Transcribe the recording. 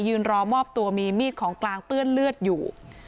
รอมอบตัวมีมีดของกลางเปื้อนเลือดอยู่